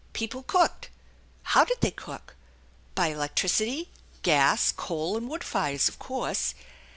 People cooked how did they cook? By electricity, gas, coal and wood fires, of course.